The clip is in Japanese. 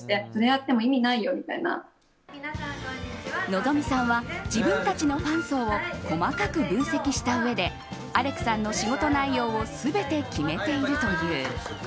希さんは自分たちのファン層を細かく分析したうえでアレクさんの仕事内容を全て決めているという。